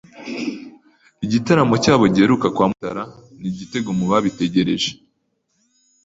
Igitaramo cyabo giheruka kwa Mutara Ni igitego mu babitegereje